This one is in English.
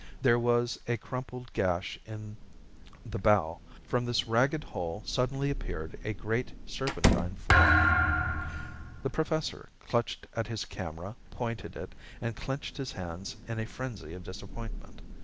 There was a crumpled gash in the bow. From this ragged hole suddenly appeared a great, serpentine form.... The Professor clutched at his camera, pointed it, and clenched his hands in a frenzy of disappointment.